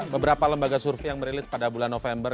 beberapa lembaga survei yang merilis pada bulan november